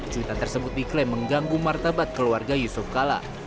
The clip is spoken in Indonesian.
cuitan tersebut diklaim mengganggu martabat keluarga yusuf kala